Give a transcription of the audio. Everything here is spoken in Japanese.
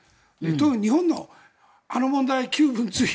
日本のあの問題、旧文通費